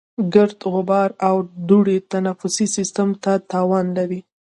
ګرد، غبار او دوړې تنفسي سیستم ته تاوان لري.